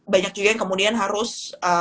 banyak juga yang kemudian harus